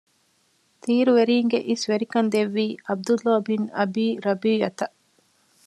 ތީރުވެރީންގެ އިސްވެރިކަން ދެއްވީ ޢަބްދުﷲ ބިން އަބީ ރަބީޢަތަށް